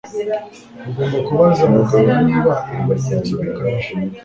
ugomba kubaza muganga niba ibimenyetso bikabije